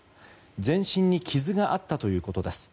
全身に傷があったということです。